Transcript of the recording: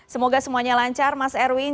semoga semuanya lancar mas erwin